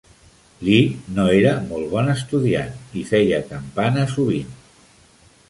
Lee no era molt bon estudiant i feia campana sovint.